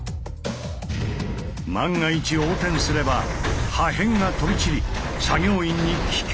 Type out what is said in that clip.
万が一横転すれば破片が飛び散り作業員に危険が及ぶ。